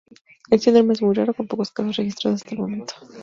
El síndrome es muy raro, con pocos casos registrados hasta el momento.